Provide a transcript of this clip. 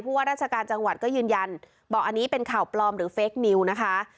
ว่าราชการจังหวัดก็ยืนยันบอกอันนี้เป็นข่าวปลอมหรือเฟคนิวนะคะ